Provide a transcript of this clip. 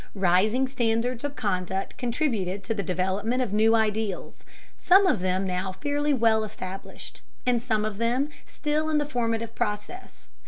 Rising standards of conduct contributed to the development of new ideals, some of them now fairly well established, and some of them still in the formative process.